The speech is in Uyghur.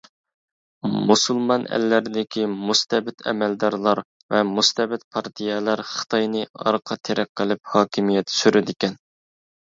مۇسۇلمان ئەللەردىكى مۇستەبىت ئەمەلدارلار ۋە مۇستەبىت پارتىيەلەر خىتاينى ئارقا تىرەك قىلىپ ھاكىمىيەت سۈرىدىكەن.